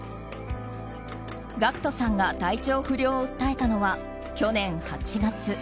ＧＡＣＫＴさんが体調不良を訴えたのは去年８月。